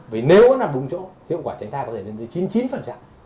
vì nếu nó nằm đúng chỗ hiệu quả tránh thai có thể lên tới chín mươi chín